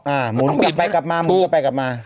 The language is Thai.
อ่าหมุนก็ไปกลับมาหมุนก็ไปกลับมา